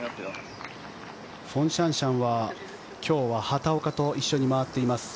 フォン・シャンシャンは今日は畑岡と一緒に回っています。